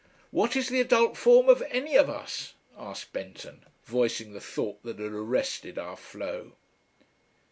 "What is the adult form of any of us?" asked Benton, voicing the thought that had arrested our flow.